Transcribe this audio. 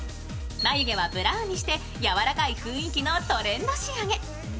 眉毛はブラウンにして、やわらかい雰囲気のトレンド仕上げ。